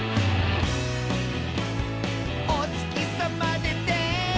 「おつきさまでて」